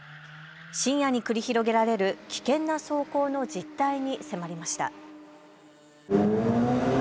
深夜に繰り広げられる危険な走行の実態に迫りました。